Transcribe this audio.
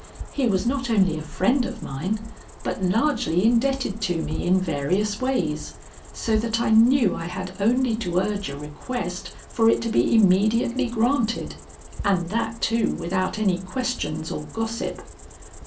He was not only a friend of mine but largely indebted to me in various ways, so that I knew I had only to urge a request for it to be immediately granted, and that, too, without any questions or gossip.